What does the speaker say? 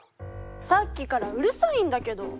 さっきからうるさいんだけど。